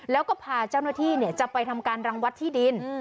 แล้วก็พาเจ้าหน้าที่จะไปทำการรังวัดที่ดิน